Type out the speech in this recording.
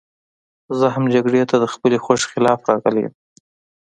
زه هم جګړې ته د خپلې خوښې خلاف راغلی یم